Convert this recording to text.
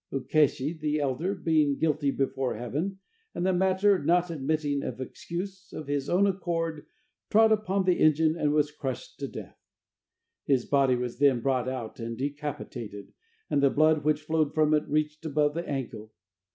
Ukeshi the elder being guilty before heaven, and the matter not admitting of excuse, of his own accord trod upon the engine and was crushed to death, His body was then brought out and decapitated, and the blood which flowed from it reached above the ankle.